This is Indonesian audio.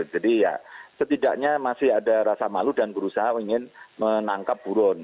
jadi ya setidaknya masih ada rasa malu dan berusaha ingin menangkap buron